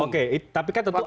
oke tapi kan tentu